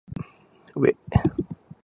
うぇ